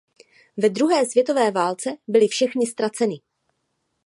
Ve druhé světové válce byly všechny ztraceny.